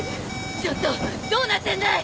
ちょっとどうなってんだい！